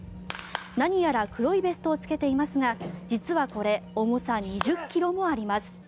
何やら黒いベストを着けていますが実はこれ重さ２０ｋｇもあります。